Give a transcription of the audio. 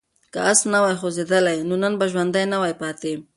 که آس نه وای خوځېدلی نو نن به ژوندی نه وای پاتې.